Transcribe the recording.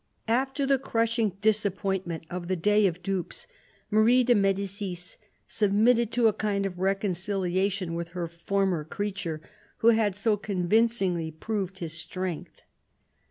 After the crushing disappointment of the " Day of Dupes," Marie de Medicis submitted to a kind of reconciliation with her "former creature" who had so convincingly proved his strength.